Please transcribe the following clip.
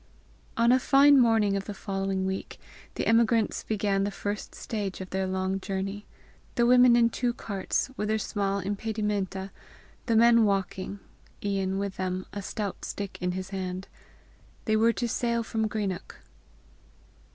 On a fine morning of the following week, the emigrants began the first stage of their long journey; the women in two carts, with their small impedimenta, the men walking Ian with them, a stout stick in his hand. They were to sail from Greenock.